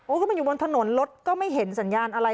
ก็มาอยู่บนถนนรถก็ไม่เห็นสัญญาณอะไร